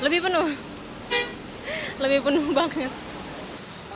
lebih penuh lebih penuh banget